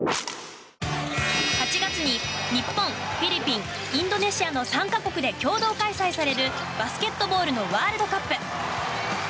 ８月に日本、フィリピンインドネシアの３か国で共同開催されるバスケットボールのワールドカップ。